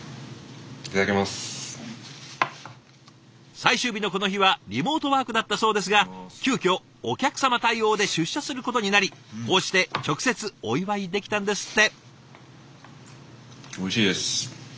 最終日のこの日はリモートワークだったそうですが急きょお客様対応で出社することになりこうして直接お祝いできたんですって。